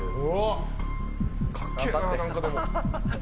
かっけえな、何か。